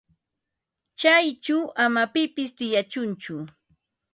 Chayćhu ama pipis tiyachunchu.